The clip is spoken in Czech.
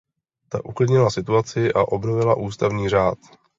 Ta uklidnila situaci a obnovila ústavní řád.